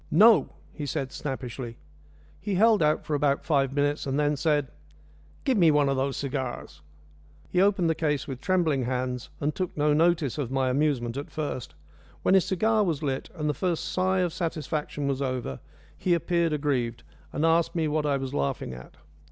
"No!" he said snappishly. He held out for about five minutes, and then said, "Give me one of those cigars." He opened the case with trembling hands, and took no notice of my amusement at first. When his cigar was lit, and the first sigh of satisfaction was over, he appeared aggrieved, and asked me what I was laughing at.